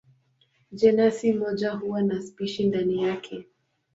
Jenasi moja huwa na spishi ndani yake.